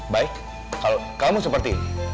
baik kalau kamu seperti